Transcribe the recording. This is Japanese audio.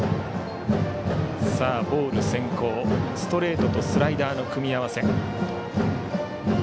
ボール先行でストレートとスライダーの組み合わせ。